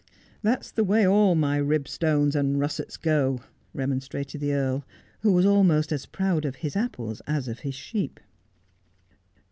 ' That's the way all my ribstones and russets go,' remon strated the Earl, who was almost as proud of his apples as of his sheep.